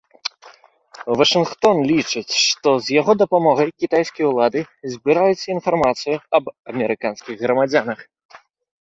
Вашынгтон лічыць, што з яго дапамогай кітайскія ўлады збіраюць інфармацыю аб амерыканскіх грамадзянах.